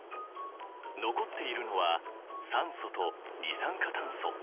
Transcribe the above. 残っているのは酸素と二酸化炭素。